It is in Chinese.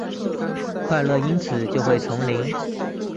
快乐因此就会重临？